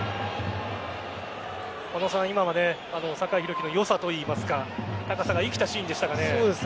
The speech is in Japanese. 小野さん、今の酒井宏樹の良さといいますか高さが生きたシーンでしたが。